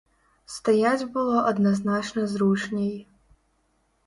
Стаяць было адназначна зручней.